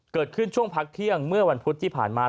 เกิดขึ้นช่วงพักเที่ยงเมื่อวันพุธที่ผ่านมา